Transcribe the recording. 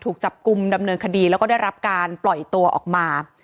ถูกจับกลุ่มดำเนินคดีแล้วก็ได้รับการปล่อยตัวออกมา